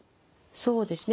そうですね。